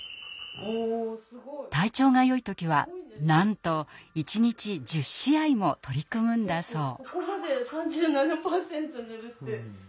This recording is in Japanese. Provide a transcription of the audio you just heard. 体調がよい時はなんと一日１０試合も取り組むんだそう。